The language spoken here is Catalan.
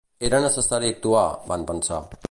Era necessari actuar, van pensar.